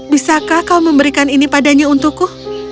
bisakah kau memberikan ini padanya untukku